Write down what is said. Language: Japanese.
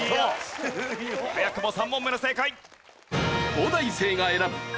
早くも３問目の正解。